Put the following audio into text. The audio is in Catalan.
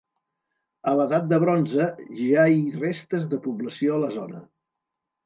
A l'edat de bronze ja hi restes de població a la zona.